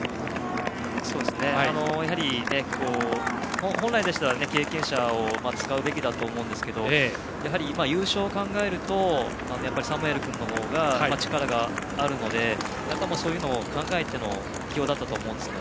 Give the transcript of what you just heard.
やはり、本来でしたら経験者を使うべきだと思いますがやはり優勝を考えるとサムエル君の方が力があるのでそういうのを考えての起用だったと思います。